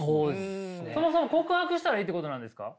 そもそも告白したらいいってことなんですか？